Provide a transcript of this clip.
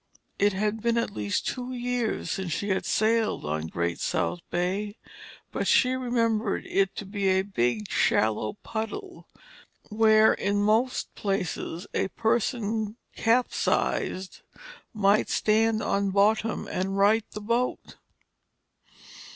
It had been at least two years since she had sailed on Great South Bay, but she remembered it to be a big, shallow puddle, where in most places a person capsized might stand on bottom and right the boat.